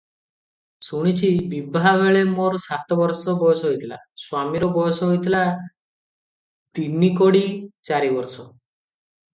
ଶୁଣିଛି, ବିଭାବେଳେ ମୋର ସାତବରଷ ବୟସ ହୋଇଥିଲା, ସ୍ୱାମୀର ବୟସ ହୋଇଥିଲା ତିନିକୋଡ଼ି ଚାରି ବରଷ ।